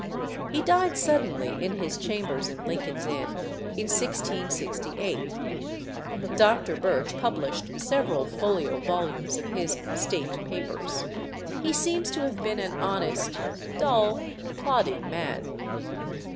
He died suddenly in his chambers in Lincoln's Inn in 1668. Dr. Birch published several folio volumes of his State Papers. He seems to have been an honest, dull, plodding man.